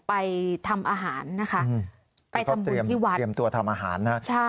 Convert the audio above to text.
ไปทำอาหารนะคะไปทำบุญที่วัดเตรียมตัวทำอาหารนะ